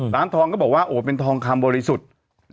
ร้านทองก็บอกว่าโอ้เป็นทองคำบริสุทธิ์